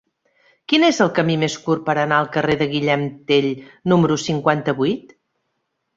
Quin és el camí més curt per anar al carrer de Guillem Tell número cinquanta-vuit?